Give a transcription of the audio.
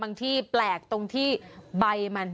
ที่แปลกตรงที่ใบมัน